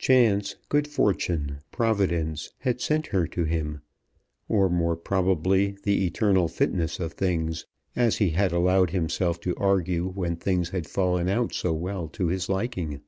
Chance, good fortune, providence had sent her to him, or more probably the eternal fitness of things, as he had allowed himself to argue when things had fallen out so well to his liking.